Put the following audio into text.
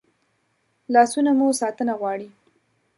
لاسونه مو ساتنه غواړي